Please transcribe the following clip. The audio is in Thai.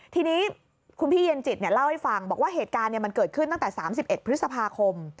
ทีนี้คุณพี่เย็นจิตเล่าให้ฟังบอกว่าเหตุการณ์มันเกิดขึ้นตั้งแต่๓๑พฤษภาคม